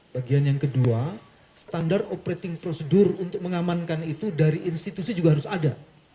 bagian yang kedua standar operating procedure untuk mengamankan itu dari institusi juga harus ada